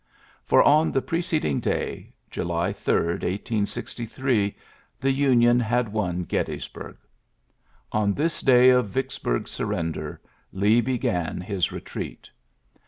For on the preceding day, July 3, 1863, the Union had won Gettysburg. On this day of Vicksburg' s surrender, Lee began his retreat.